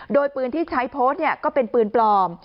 โดยปืนที่ใช้โพสต์ก็เป็นปืนปลอม